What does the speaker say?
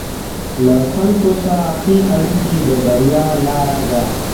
له خلکو سره ښه اړیکې د بریا لاره ده.